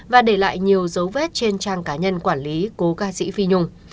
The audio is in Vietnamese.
và để lại nhiều dấu vết trên trang cá nhân quản lý cố ca sĩ phi nhung